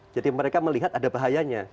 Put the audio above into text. jadi mereka melihat ada bahayanya